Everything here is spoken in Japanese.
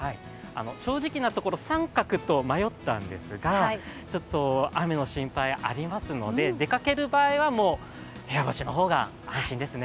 正直なところ、△と迷ったんですが、ちょっと雨の心配ありますので、出かける場合は部屋干しの方が安心ですね。